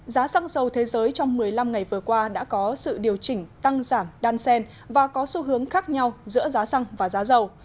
giá xăng dầu thế giới trong một mươi năm ngày vừa qua đã có sự điều chỉnh tăng giảm đan sen và có xu hướng khác nhau giữa giá xăng và giá dầu